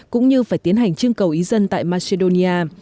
cũng như phải tiến hành chương cầu ý dân tại macedonia